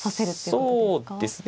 そうですね。